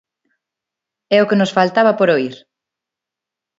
¡É o que nos faltaba por oír!